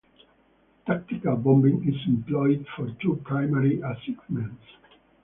Tactical bombing is employed for two primary assignments.